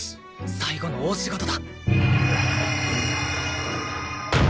最後の大仕事だ！